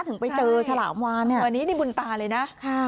ถึงไปเจอฉลามวานเนี่ยอันนี้บุญตาเลยนะ